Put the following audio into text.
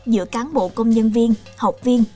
giữa cán bộ công nhân viên học viên